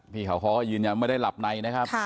พี่เขาเขาก็ยืนยันไม่ได้หลับในนะครับ